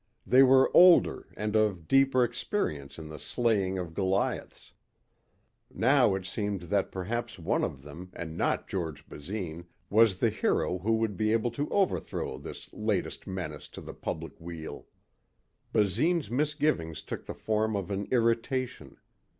They were older and of deeper experience in the slaying of Goliaths. Now it seemed that perhaps one of them and not George Basine was the hero who would be able to overthrow this latest menace to the public weal. Basine's misgivings took the form of an irritation.